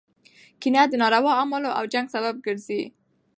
کینه د ناروا اعمالو او جنګ سبب ګرځي.